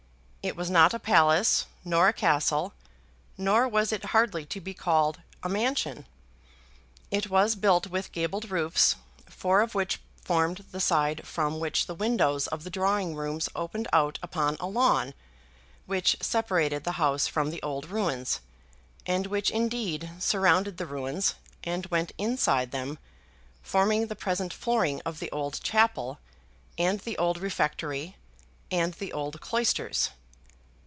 It was not a palace, nor a castle, nor was it hardly to be called a mansion. It was built with gabled roofs, four of which formed the side from which the windows of the drawing rooms opened out upon a lawn which separated the house from the old ruins, and which indeed surrounded the ruins, and went inside them, forming the present flooring of the old chapel, and the old refectory, and the old cloisters.